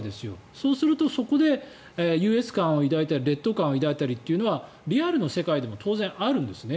そうすると、そこで優越感を抱いたり劣等感を抱いたりというのはリアルの世界でも当然あるんですね。